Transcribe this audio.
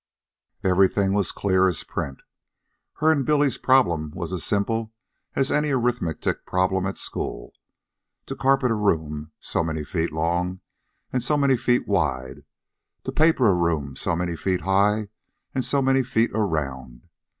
Everything was clear as print. Her and Billy's problem was as simple as an arithmetic problem at school: to carpet a room so many feet long, so many feet wide, to paper a room so many feet high, so many feet around.